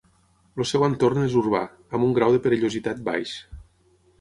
El seu entorn és urbà, amb un grau de perillositat baix.